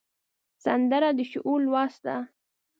سندره د شعور لوست ده